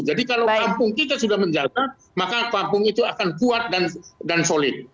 jadi kalau kampung kita sudah menjaga maka kampung itu akan kuat dan solid